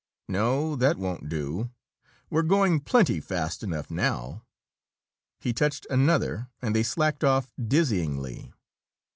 "No, that won't do! We're going plenty fast enough now!" He touched another, and they slacked off dizzyingly.